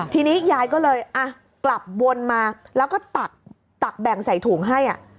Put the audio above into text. ทีนี้ยายก็เลยกลับวนมาแล้วก็ตักแบ่งใส่ถุงให้